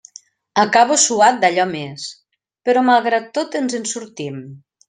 Acabo suat d'allò més, però malgrat tot ens en sortim.